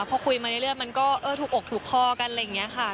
พอคุยมาเรื่อยมันก็ถูกอกถูกคอกันอะไรอย่างนี้ค่ะ